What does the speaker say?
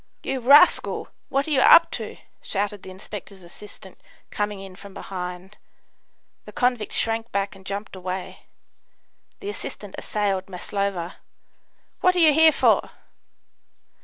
"You rascal! what are you up to?" shouted the inspector's assistant, coming in from behind. The convict shrank back and jumped away. The assistant assailed Maslova. "What are you here for?"